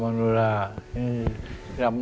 เราก็อยู่อยู่ก่อนค่ะ